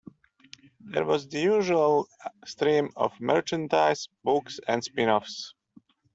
There was the usual stream of merchandise, books and spin-offs.